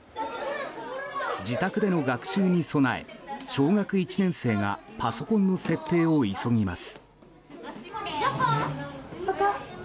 自宅での学習に備え小学１年生がパソコンの設定を急ぎます。